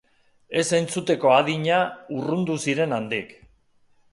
Ez entzuteko adina urrundu ziren handik.